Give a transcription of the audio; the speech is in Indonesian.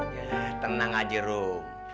ya tenang aja rum